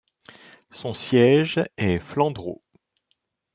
Son siège est Flandreau.